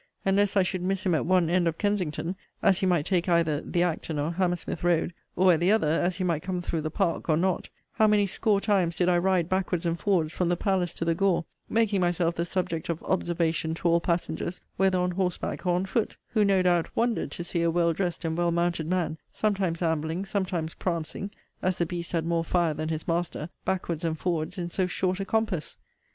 And lest I should miss him at one end of Kensingtohn, as he might take either the Acton or Hammersmith road; or at the other, as he might come through the Park, or not; how many score times did I ride backwards and forwards from the Palace to the Gore, making myself the subject of observation to all passengers whether on horseback or on foot; who, no doubt, wondered to see a well dressed and well mounted man, sometimes ambling, sometimes prancing, (as the beast had more fire than his master) backwards and forwards in so short a compass!